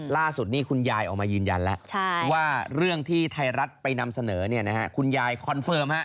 ล่าสุดนี้คุณยายออกมายืนยันแล้วว่าเรื่องที่ไทยรัฐไปนำเสนอคุณยายคอนเฟิร์ม